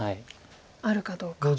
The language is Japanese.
あるかどうか。